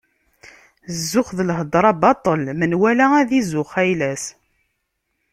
Zzux d lhedra baṭel, menwala ad izuxx ayla-s.